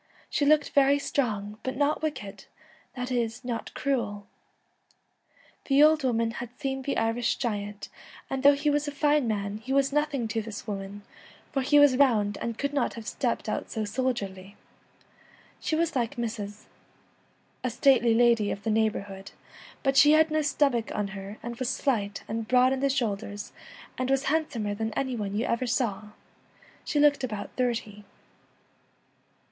She looked 'very strong, but not wicked,' that is, not cruel. The old woman had seen the Irish giant, and 'though he was a fine man,' he was nothing to this woman, ' for he was round, and could not have stepped out so sol dierly ;'■ she was like Mrs. ' a 97 h The stately lady of the neighbourhood, ' but Celtic Twilight, she had no stomach on her, and was slight and broad in the shoulders, and was hand somer than any one you ever saw ; she looked about thirty.'